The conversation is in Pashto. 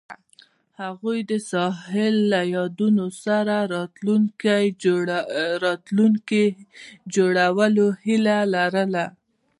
هغوی د ساحل له یادونو سره راتلونکی جوړولو هیله لرله.